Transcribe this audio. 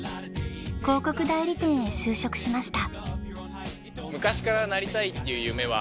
広告代理店へ就職しました。